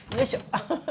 アハハ。